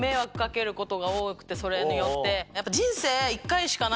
それによって。